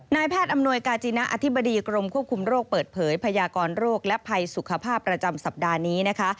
นายแพทย์อำนวยกาจินะอธิบดีกรมควบคุมโรคเปิดเผยพยากรโรคและภัยสุขภาพประจำสัปดาห์นี้นะคะ